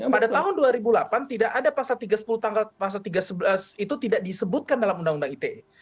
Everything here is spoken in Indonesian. pada tahun dua ribu delapan tidak ada pasal tiga puluh tanggal pasal tiga ratus sebelas itu tidak disebutkan dalam undang undang ite